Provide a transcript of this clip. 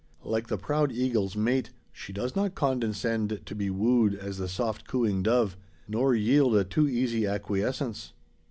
Like the proud eagle's mate, she does not condescend to be wooed as the soft cooing dove, nor yield a too easy acquiescence.